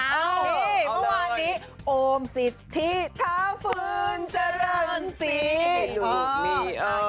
เฮ้ยวันนี้โอ้มสิทธิธาฟืนจรรย์สิ